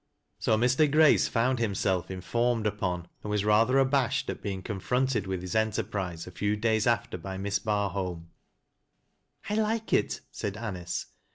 '" So Mr. Grace found himself informed upon, and wnf rather abashed at being confronted with his enterprise a few days after by Miss Barholm. " I like it," said Anice.